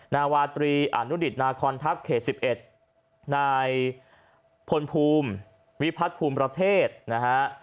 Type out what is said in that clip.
นาวาตรีอนุดิตนาคอนทัพเขต๑๑นายพลภูมิวิพัฒน์ภูมิประเทศนะฮะ